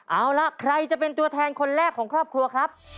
เอาล่ะใครจะเป็นตัวแทนคนแรกของครอบครัวครับ